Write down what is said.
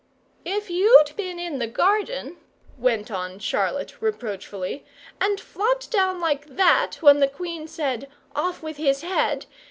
"If you'd been in the garden," went on Charlotte, reproachfully, "and flopped down like that when the Queen said 'Off with his head!'